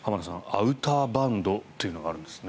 アウターバンドというのがあるんですね。